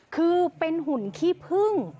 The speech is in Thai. คือเป็นหุ่นขี้พึ่ง